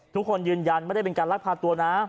ทุกคนยืนยันไม่ได้เป็นการลักพาตัวนะ